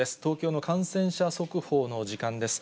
東京の感染者速報の時間です。